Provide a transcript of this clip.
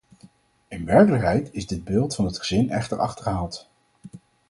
In werkelijkheid is dit beeld van het gezin echter achterhaald.